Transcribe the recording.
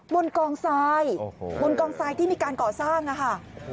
บนกองทรายบนกองทรายที่มีการก่อสร้างอะค่ะ